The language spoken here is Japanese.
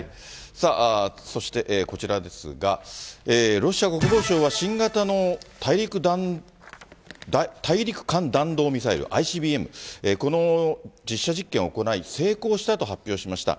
そしてこちらですが、ロシア国防省は新型の大陸間弾道ミサイル・ＩＣＢＭ、この実射実験を行い、成功したと発表しました。